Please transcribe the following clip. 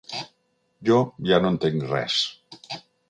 Jo ja no entenc res.